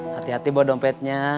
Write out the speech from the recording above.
hati hati bawa dompetnya